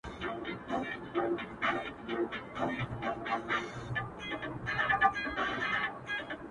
• چي هغوى خيالي ټوكران پرې ازمېيله,